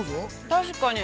◆確かに。